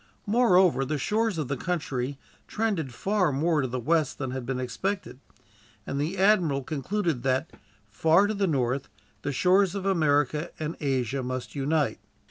Moreover, the shores of the country trended far more to the west than had been expected, and the admiral concluded that, far to the north, the shores of America and Asia must unite.